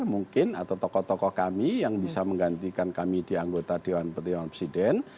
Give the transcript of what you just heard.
mungkin atau tokoh tokoh kami yang bisa menggantikan kami di anggota di one team press